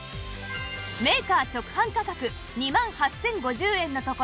メーカー直販価格２万８０５０円のところ